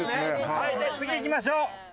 はいじゃあ次いきましょう。